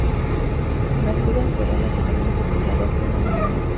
Nacido en Gerona, su familia se trasladó siendo niño a Madrid.